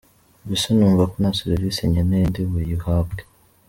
Mbese numva ko na serivisi nkeneye ndi buyihabwe.